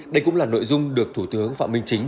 đây cũng là nội dung được thủ tướng phạm minh chính